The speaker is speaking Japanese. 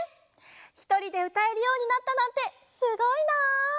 ひとりでうたえるようになったなんてすごいなあ！